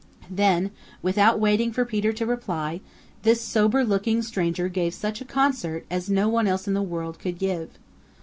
Then without waiting for Peter to reply, this sober looking stranger gave such a concert as no one else in the world could give.